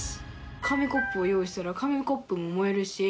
紙コップを用意したら紙コップも燃えるし。